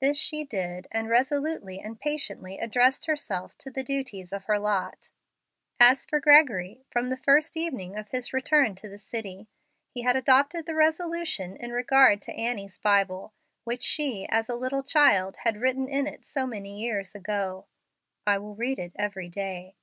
This she did, and resolutely and patiently addressed herself to the duties of her lot. As for Gregory, from the first evening of his return to the city, he adopted the resolution in regard to Annie's Bible which she, as a little child, had written in it so many years ago, "I will read it every day."